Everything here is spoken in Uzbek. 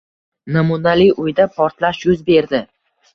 Namunali uyda portlash yuz berdi